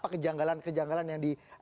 kejanggalan kejanggalan yang di